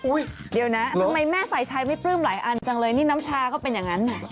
เดี๋ยวนะทำไมแม่ฝ่ายชายไม่ปลื้มหลายอันจังเลยนี่น้ำชาก็เป็นอย่างนั้น